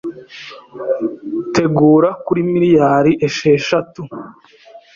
tugera kuri miriyari esheshatu!